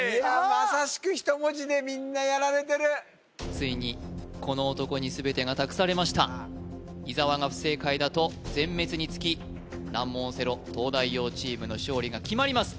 まさしく１文字でみんなやられてるついにこの男に全てが託されました伊沢が不正解だと全滅につき難問オセロ東大王チームの勝利が決まります